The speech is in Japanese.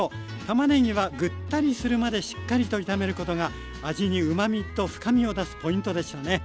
たまねぎはグッタリするまでしっかりと炒めることが味にうまみと深みを出すポイントでしたね。